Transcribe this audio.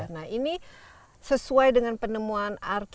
nah ini sesuai dengan penemuan arkeolog atau seorang peneliti